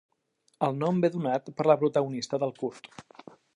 El nom bé donat per la protagonista del curt.